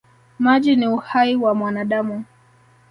Maji ni uhai wa mwanadamu.